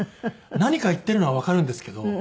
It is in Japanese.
何か言ってるのはわかるんですけど。